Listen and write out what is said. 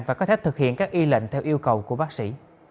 và có thể thực hiện các y lệnh theo yêu cầu của bác sĩ